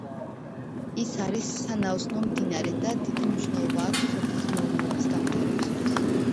ის არის სანაოსნო მდინარე და დიდი მნიშვნელობა აქვს სოფლის მეურნეობის განვითარებისთვის.